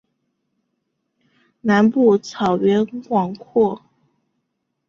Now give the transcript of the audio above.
南部草原广阔。